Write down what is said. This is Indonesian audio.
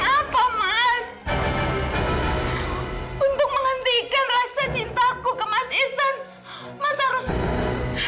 apa untuk mematikan rasa cinta kamu ke isan itu saya harus memulih